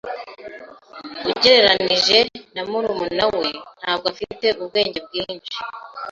Ugereranije na murumuna we, ntabwo afite ubwenge bwinshi.